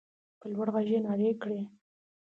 په لوړ غږ يې نارې کړې.